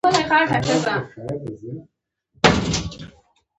د احمد له علي څخه د زړه څوکه نه ده پرې.